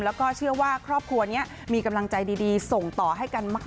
แล้วก็เชื่อว่าครอบครัวนี้มีกำลังใจดีส่งต่อให้กันมาก